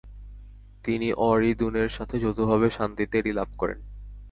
তিনি অঁরি দ্যুনঁ'র সাথে যৌথভাবে শান্তিতে এটি লাভ করেন।